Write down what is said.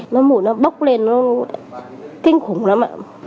nó ngủ nó bốc lên nó kinh khủng lắm ạ